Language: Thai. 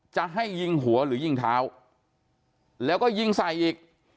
จะให้ยิงหัวหรือยิงเท้าแล้วก็ยิงใส่อีก